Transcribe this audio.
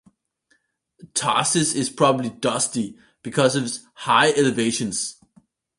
Tharsis is probably dusty because of its high elevations.